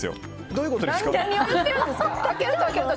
どういうことですか？